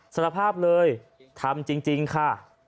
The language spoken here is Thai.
สารภาพเลยทำจริงค่ะ